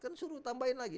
kan suruh tambahin lagi